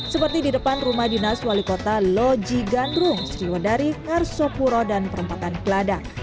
seperti di depan rumah dinas wali kota loji gandrung sriwadari ngarsopuro dan perempatan keladang